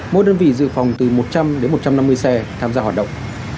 mỗi đơn vị dự phòng từ một trăm linh đến một trăm năm mươi xe tham gia hoạt động